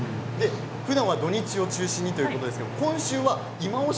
ふだんは土日が中心ということですが今週は「いまオシ！